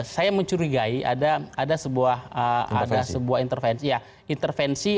saya mencurigai ada sebuah intervensi